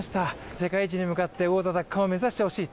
世界一に向かって王座奪還を目指してほしい。